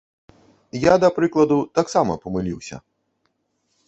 Я, да прыкладу, таксама памыліўся.